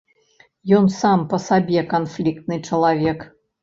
Ён сам па сабе канфліктны чалавек.